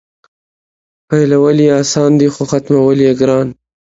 پیلول یې اسان دي خو ختمول یې ګران.